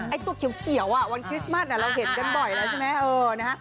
ตัวเขียววันคริสต์มัสเราเห็นกันบ่อยแล้วใช่ไหม